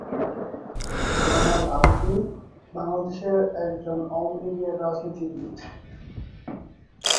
জয়নাল আবেদীন বাংলাদেশ আওয়ামীলীগের একজন রাজনীতিবিদ।